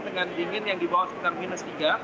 dengan dingin yang di bawah sekitar minus tiga